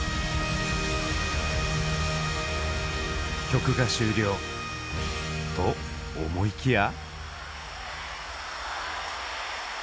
曲が終了と思いきや。